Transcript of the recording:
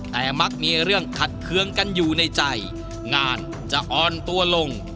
แต่มักมีเรื่องขัดเคืองกันอยู่ในใจงานจะอ่อนตัวลง